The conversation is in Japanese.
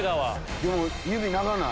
でも指長ない？